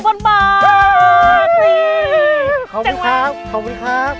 ขอบคุณครับขอบคุณครับ